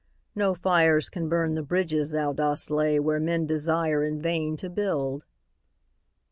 No fires can burn The bridges thou dost lay where men desire In vain to build.